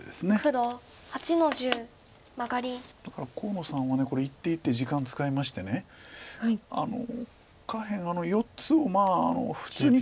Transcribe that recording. だから河野さんはこれ一手一手時間使いまして下辺４つを普通に取りにいけば。